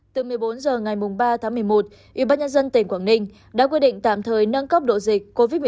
từ một mươi bốn h ngày ba tháng một mươi một ủy ban nhân dân tỉnh quảng ninh đã quyết định tạm thời nâng cấp độ dịch covid một mươi chín